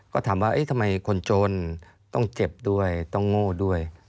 ก็ถามว่าทำไมคนจนต้องเจ็บด้วยต้องโง่ด้วย